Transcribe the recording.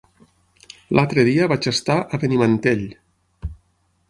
L'altre dia vaig estar a Benimantell.